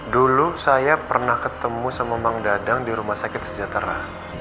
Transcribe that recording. dulu saya pernah ketemu sama bang dadang di rumah sakit sejahtera